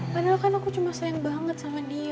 padahal kan aku cuma sayang banget sama dia